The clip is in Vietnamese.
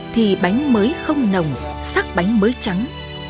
thì bánh mới không nồng sắc bánh mới trắng